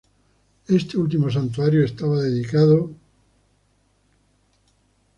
Este último santuario estaba dedicado al Santísimo Cristo de la Misericordia.